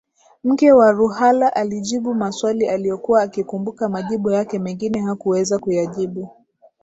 Mke wa Ruhala alijibu maswali aliyokuwa akikumbuka majibu yake mengine hakuweza kuyajibu